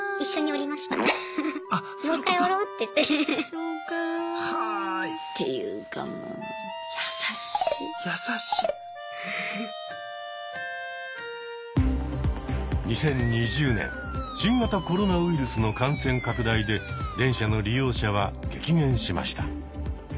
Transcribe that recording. っていうかもう２０２０年新型コロナウイルスの感染拡大で電車の利用者は激減しました。